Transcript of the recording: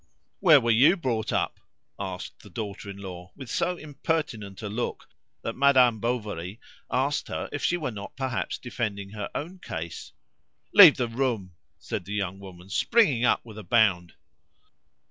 "Where were you brought up?" asked the daughter in law, with so impertinent a look that Madame Bovary asked her if she were not perhaps defending her own case. "Leave the room!" said the young woman, springing up with a bound.